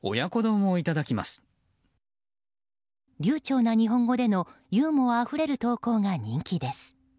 流ちょうな日本語でのユーモアあふれる投稿が人気です。